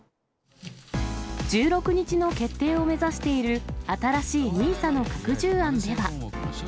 １６日の決定を目指している新しいＮＩＳＡの拡充案では。